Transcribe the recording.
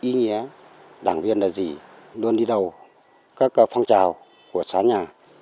ý nghĩa đảng viên là gì luôn đi đầu các phong trào của xã nhà